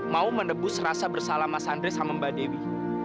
mau menebus rasa bersalah mas andre sama mbak dewi